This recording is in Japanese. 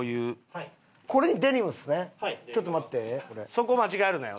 そこ間違えるなよ？